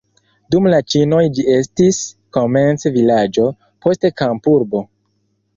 Dum la ĉinoj ĝi estis komence vilaĝo, poste kampurbo.